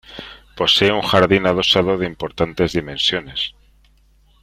Posee un jardín adosado de importantes dimensiones.